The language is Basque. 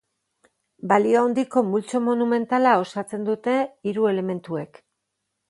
Balio handiko multzo monumentala osatzen dute hiru elementuek.